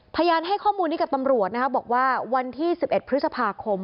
พยานให้ข้อมูลนี้กับตำรวจนะครับบอกว่าวันที่๑๑พฤษภาคม